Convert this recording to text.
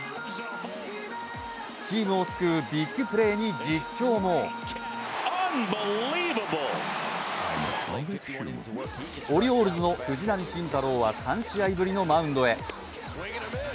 チームを救うビッグプレーに実況もオリオールズの藤浪晋太郎は３試合ぶりのマウンドへ。